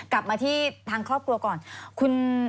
กลับมาที่ทางครอบครัวก่อนคุณ